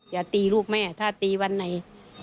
อย่าตีลูกแม่ถ้าตีวันไหน